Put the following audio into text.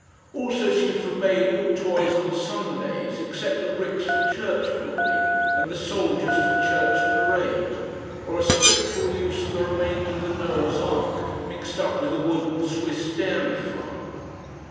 Also she forbade all toys on Sundays except the bricks for church building and the soldiers for church parade, or a Scriptural use of the remains of the Noah's Ark mixed up with a wooden Swiss dairy farm.